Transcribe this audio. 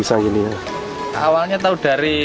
awalnya tahu dari